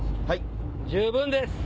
十分です！